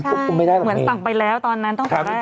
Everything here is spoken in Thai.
ใช่คุณไปดนตรงไปแล้วตอนนั้น